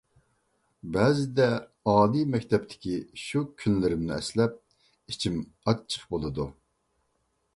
بەزىدە ئالىي مەكتەپتىكى شۇ كۈنلىرىمنى ئەسلەپ ئىچىم ئاچچىق بولىدۇ.